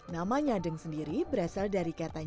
nama nyadeng sendiri berasal dari kata